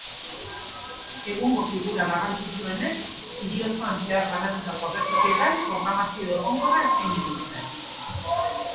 Egungo figura garrantzitsuenek hiri osoan zehar banatutako agertokietan programazio egonkorra eskainiko dute.